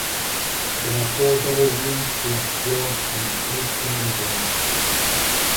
There are four double rooms to a floor and eight single rooms.